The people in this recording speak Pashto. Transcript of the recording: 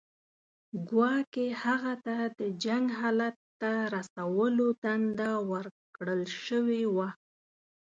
ګواکې هغه ته د جنګ حالت ته رسولو دنده ورکړل شوې وه.